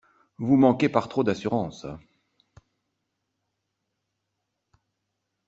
Vous manquez par trop d'assurance.